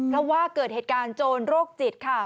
เพราะว่าเกิดเหตุการณ์โจรโรคจิตค่ะ